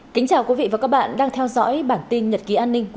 cảm ơn các bạn đã theo dõi